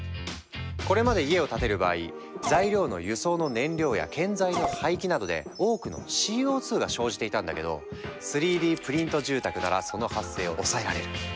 これまで家を建てる場合材料の輸送の燃料や建材の廃棄などで多くのＣＯが生じていたんだけど３Ｄプリント住宅ならその発生を抑えられる。